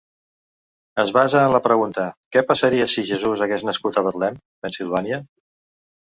Es basa en la pregunta "Què passaria si Jesús hagués nascut a Betlem, Pennsilvània?".